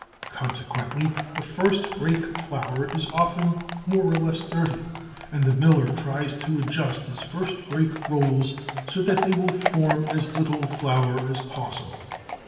Consequently the first break flour is often more or less dirty, and the miller tries to adjust his first break rolls so that they will form as little flour as possible.